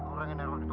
orang yang nerung itu